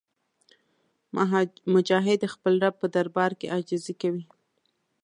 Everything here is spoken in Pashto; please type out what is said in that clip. مجاهد د خپل رب په دربار کې عاجزي کوي.